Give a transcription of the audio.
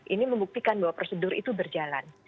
ini membuktikan bahwa prosedur itu berjalan